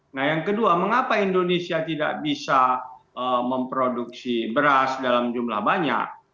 nah yang kedua mengapa indonesia tidak bisa memproduksi beras dalam jumlah banyak